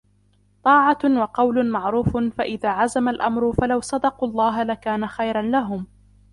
طَاعَةٌ وَقَوْلٌ مَعْرُوفٌ فَإِذَا عَزَمَ الْأَمْرُ فَلَوْ صَدَقُوا اللَّهَ لَكَانَ خَيْرًا لَهُمْ